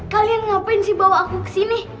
kalian ngapain sih bawa aku kesini